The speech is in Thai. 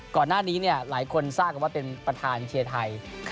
ก่อนหน้านี้หลายคนทราบกันว่าเป็นประธานเชียร์ไทย